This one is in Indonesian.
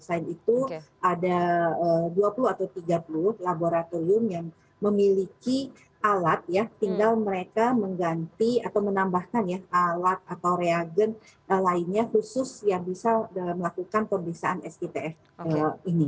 selain itu ada dua puluh atau tiga puluh laboratorium yang memiliki alat ya tinggal mereka mengganti atau menambahkan ya alat atau reagen lainnya khusus yang bisa melakukan pemeriksaan sitf ini